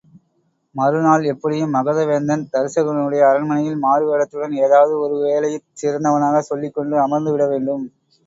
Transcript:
மறுநாள் எப்படியும் மகத வேந்தன் தருசகனுடைய அரண்மனையில், மாறுவேடத்துடன் ஏதாவது ஒருவேலையிற் சிறந்தவனாகச் சொல்லிக்கொண்டு அமர்ந்து விடவேண்டும்.